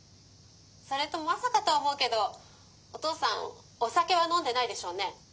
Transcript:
それとまさかとは思うけどお父さんおさけはのんでないでしょうね？」。